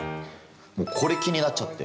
これ気になっちゃって。